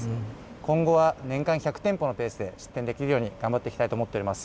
今後は年間１００店舗のペースで、出店できるように頑張っていきたいと思っております。